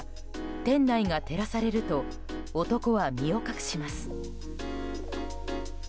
店内が照らされると男は身を隠します。